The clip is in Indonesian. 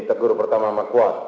tegur pertama sama kuat